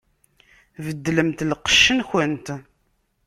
Beddlemt lqecc-nkent!